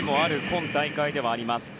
今大会ではあります。